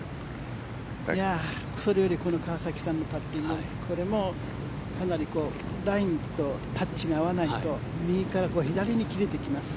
それよりこの川崎さんのパッティングこれもかなりラインとタッチが合わないと右から左に切れていきます。